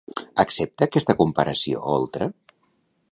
Accepta aquesta comparació Oltra?